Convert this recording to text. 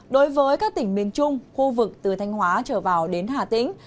đối với các tỉnh miền trung khu vực từ thanh hóa trở vào đến hà tĩnh